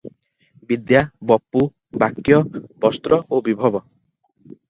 ବିଦ୍ୟା, ବପୁ, ବାକ୍ୟ, ବସ୍ତ୍ର ଓ ବିଭବ ।